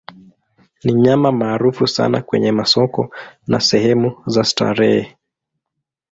Ni nyama maarufu sana kwenye masoko na sehemu za starehe.